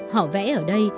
họ vẽ ở đây